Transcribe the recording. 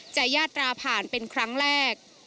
ยาตราผ่านเป็นครั้งแรก